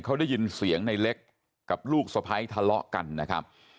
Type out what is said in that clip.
เขาได้ยินเสียงในเล็กกับลูกสะพ้ายทะเลาะกันนะครับ